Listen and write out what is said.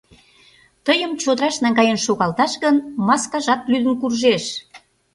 — Тыйым чодыраш наҥгаен шогалташ гын, маскажат лӱдын куржеш.